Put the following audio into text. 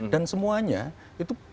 dan semuanya itu